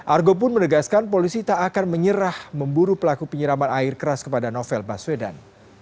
argo pun menegaskan polisi tak akan menyerah memburu pelaku penyiraman air keras kepada novel baswedan